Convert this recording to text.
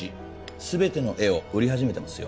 全ての絵を売り始めてますよ